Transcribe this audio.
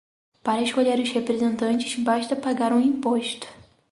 Para escolher os representantes, basta pagar um imposto.